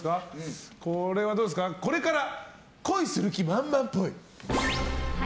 これから恋する気満々っぽい。